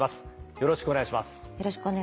よろしくお願いします。